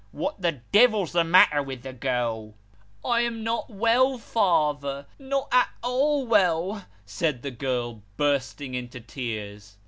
What the devil's the matter with the girl ?"" I am not well, father not at all well," said the girl, bursting into tears.